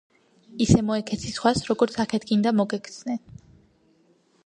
ისე მოექეცი სხვას როგორც აქეთ გინდა მოგექცნენ